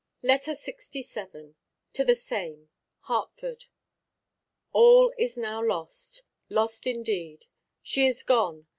LETTER LXVII. TO THE SAME. HARTFORD. All is now lost; lost indeed! She is gone!